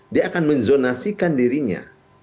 dia akan menzonasikan dirinya